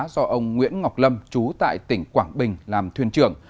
do ông nguyễn ngọc lâm chú tại tỉnh quảng bình làm thuyền trưởng